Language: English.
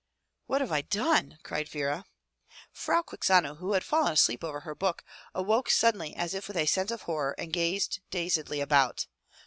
"What have I done?" cried Vera. Frau Quixano, who had fallen asleep over her book, awoke suddenly as if with a sense of horror and gazed dazedly about.